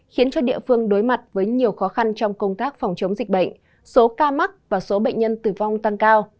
khiến cho địa phương đối mặt với nhiều khó khăn trong công tác phòng chống dịch bệnh số ca mắc và số bệnh nhân tử vong tăng cao